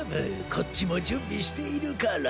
こっちもじゅんびしているから。